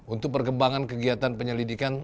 untuk perkembangan kegiatan penyelidikan